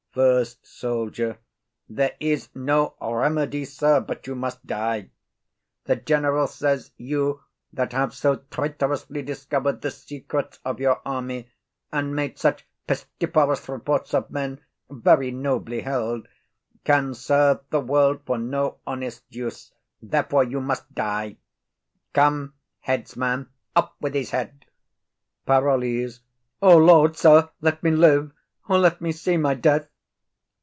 FIRST SOLDIER. There is no remedy, sir, but you must die. The general says you that have so traitorously discovered the secrets of your army, and made such pestiferous reports of men very nobly held, can serve the world for no honest use; therefore you must die. Come, headsman, off with his head. PAROLLES. O Lord! sir, let me live, or let me see my death.